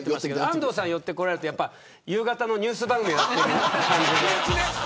安藤さんに寄られると夕方のニュース番組やってる感じで。